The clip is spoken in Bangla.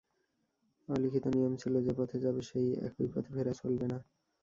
অলিখিত নিয়ম ছিল—যে পথে যাবে, সেই একই পথে ফেরা চলবে না।